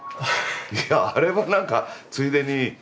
いやあれは何かついでに。